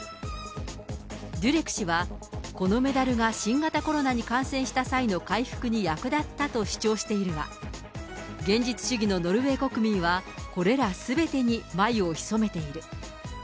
デュレク氏は、このメダルは新型コロナに感染した際の回復に役立ったと主張しているが、現実主義のノルウェー国民は、これら、すべてに眉をひそめている。